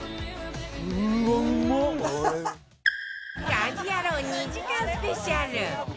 『家事ヤロウ！！！』２時間スペシャル